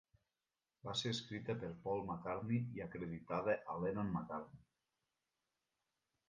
Va ser escrita per Paul McCartney i acreditada a Lennon-McCartney.